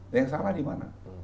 yang salah di mana